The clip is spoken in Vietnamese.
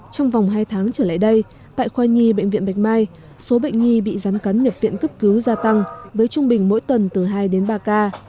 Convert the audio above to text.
trong vòng hai tháng trở lại đây tại khoa nhi bệnh viện bạch mai số bệnh nhi bị rắn cắn nhập viện cấp cứu gia tăng với trung bình mỗi tuần từ hai đến ba ca